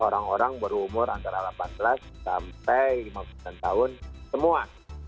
orang orang berumur antara delapan belas sampai lima puluh sembilan tahun semua